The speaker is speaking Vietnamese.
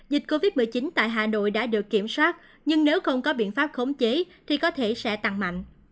dịch covid một mươi chín tại hà nội đã được kiểm soát nhưng nếu không có biện pháp khống chế thì có thể sẽ tăng mạnh